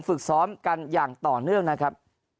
ฝึกซ้อมกันอย่างต่อเนื่องนะครับ